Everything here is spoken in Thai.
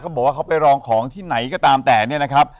บอกว่าเขาไปรองของที่ไหนก็ตามแต่เนี่ยนะครับ